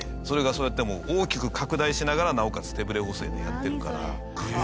それがそうやって大きく拡大しながらなおかつ手ぶれ補正でやってるから。